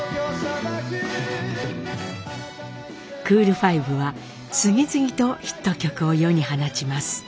クール・ファイブは次々とヒット曲を世に放ちます。